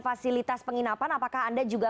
fasilitas penginapan apakah anda juga